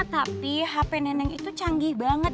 tapi hp neneng itu canggih banget